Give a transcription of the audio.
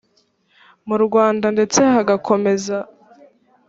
mu rwanda ndetse hagakomeza